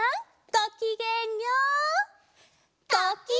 ごきげんよう！